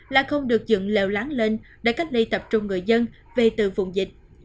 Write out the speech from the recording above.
là không được dựng lều lắng lên để cách ly tập trung người dân về từ vùng dịch